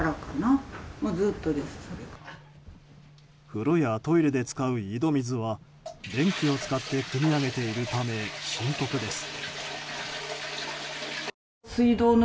風呂やトイレで使う井戸水は電気を使ってくみ上げているため深刻です。